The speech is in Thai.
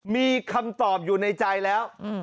มีคำตอบอยู่ในใจแล้ว